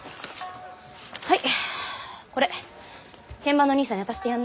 はいこれ見番のにいさんに渡してやんな。